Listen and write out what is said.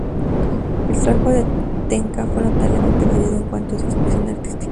El trabajo de Tenca fue notablemente variado en cuanto a su expresión artística.